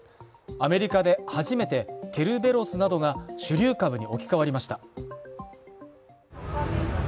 アメリカで初めてケルベロスなどが主流株に置き換わりました。